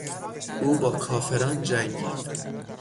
او با کافران جنگید.